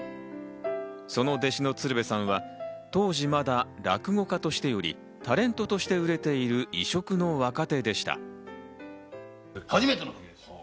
その弟子の鶴瓶さんは当時まだ落語家としてより、タレントとして売れている異色の若手でした。